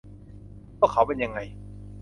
พวกเขาเป็นยังไง